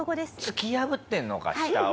突き破ってるのか下を。